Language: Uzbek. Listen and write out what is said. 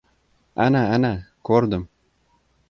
— Ana! Ana! Ko‘rdim!